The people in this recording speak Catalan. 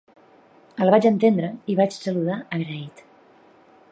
El vaig entendre i vaig saludar agraït.